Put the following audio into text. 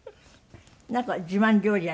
なんか自慢料理あります？